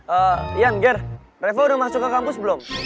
ee yan ger reva udah masuk ke kampus belum